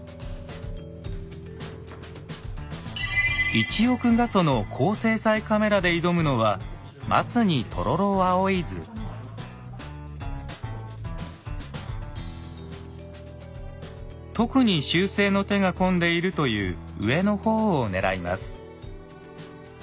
１億画素の高精細カメラで挑むのは特に修正の手が込んでいるという上の方を狙います。